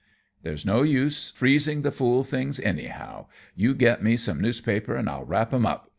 "There's no use freezing the fool things, anyhow. You get me some newspapers, and I'll wrap 'em up."